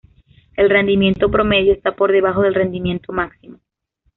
El rendimiento promedio está por debajo del rendimiento máximo.